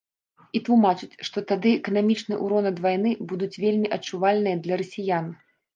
І тлумачыць, што тады эканамічны ўрон ад вайны будуць вельмі адчувальныя для расіян.